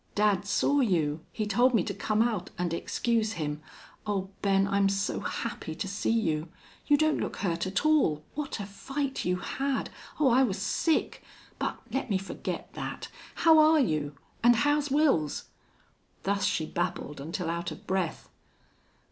"Dad saw you. He told me to come out and excuse him.... Oh, Ben, I'm so happy to see you! You don't look hurt at all. What a fight you had!... Oh, I was sick! But let me forget that.... How are you? And how's Wils?" Thus she babbled until out of breath.